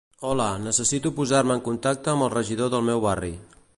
Hola, necessito posar-me en contacte amb el regidor del meu barri.